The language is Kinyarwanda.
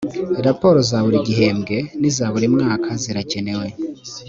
raporo za buri gihembwe n’iza buri mwaka zirakenewe